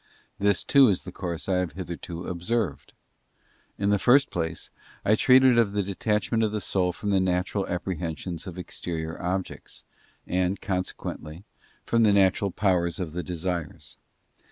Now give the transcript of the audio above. This too is the course I have hitherto observed. In the first place, I treated of the detachment of the soul from the natural apprehensions of exterior objects, and, consequently, from the natural powers of the desires.